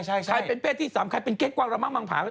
ถ้าเป็นเป็นเพจที่สามใครที่เป็นเกร็กกว่างระมั้งหมังผา